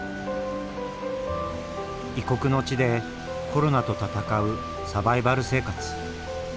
異国の地でコロナと闘うサバイバル生活。